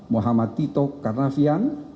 muhammad tito karnavian